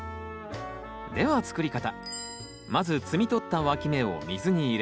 では作り方。